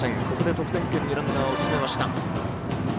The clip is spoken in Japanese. ここで得点圏にランナーを進めました。